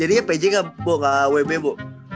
jadinya pj nggak wb bu